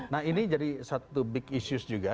nah ini jadi satu big issues juga